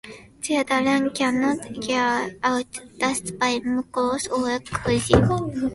There, the lungs cannot clear out the dust by mucous or coughing.